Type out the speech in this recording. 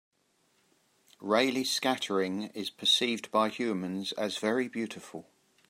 Raleigh scattering is percieved by humans as very beautiful.